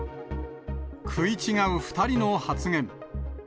食い違う２人の発言。